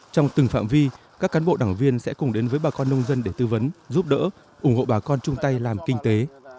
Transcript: trong từng phạm vi các cán bộ đảng viên sẽ cùng đến với bà con nông dân để tư vấn giúp đỡ ủng hộ bà con chung tay làm kinh tế